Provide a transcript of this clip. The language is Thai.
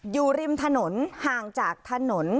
อยู่ริมถนนห่างจากถนน